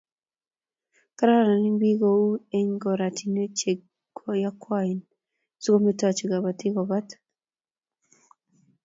Karan eng' piik kou eng' koratinwek che yakwaen si kometochi kabatik ko pat